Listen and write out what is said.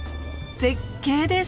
絶景です。